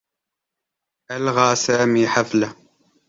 ألغى سامي حفله.